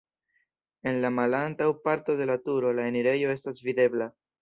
En la malantaŭ parto de la turo la enirejo estas videbla.